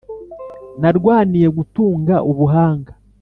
Narwaniye gutunga ubuhanga,